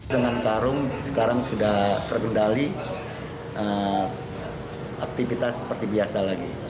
dengan karung sekarang sudah terkendali aktivitas seperti biasa lagi